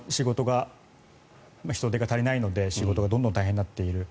人手が足りないので、仕事がどんどん大変になっている。